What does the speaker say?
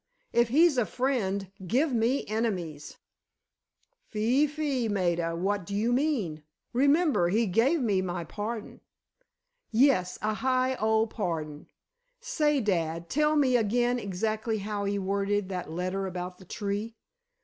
If he's a friend—give me enemies!" "Fie, fie, Maida, what do you mean? Remember, he gave me my pardon." "Yes, a high old pardon! Say, dad, tell me again exactly how he worded that letter about the tree."